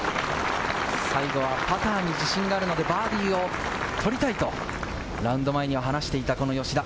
最後はパターに自信があるので、バーディーを取りたいとラウンド前には話していた吉田。